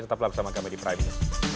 tetaplah bersama kami di prime news